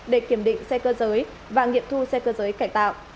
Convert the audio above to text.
để kiểm định xe cơ giới và nghiệm thu xe cơ giới cải tạo